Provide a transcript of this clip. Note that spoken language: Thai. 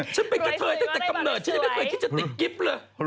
เธอยได้แต่กำเนิดฉันได้ไม่เคยคิดจะติดกิ๊บเหรอ